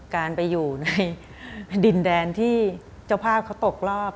การไปอยู่ในดินแดนที่เจ้าภาพเขาตกรอบ